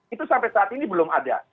itu sampai saat ini belum ada